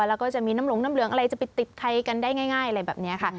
แล้วก็จะมีน้ำหลงน้ำเหลืองอะไรจะไปติดไทยกันได้ง่ายอะไรแบบนี้ค่ะ